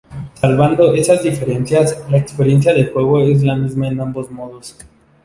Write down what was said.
Salvando esas diferencias, la experiencia de juego es la misma en ambos modos.